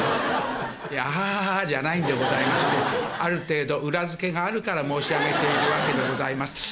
あはははじゃないんでございまして、ある程度、裏付けがあるから申し上げているわけでございます。